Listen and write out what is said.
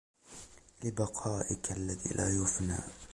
لِبَقَائِك الَّذِي لَا يَفْنَى